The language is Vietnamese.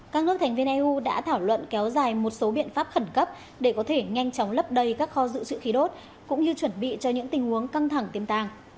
các nước thành viên eu đã thảo luận kéo dài một số biện pháp khẩn cấp để có thể nhanh chóng lấp đầy các kho dự trữ khí đốt cũng như chuẩn bị cho những tình huống căng thẳng tiềm tàng